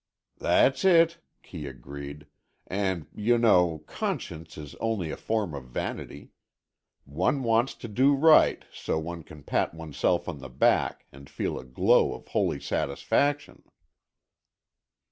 "That's it," Kee agreed. "And you know, conscience is only a form of vanity. One wants to do right, so one can pat oneself on the back, and feel a glow of holy satisfaction."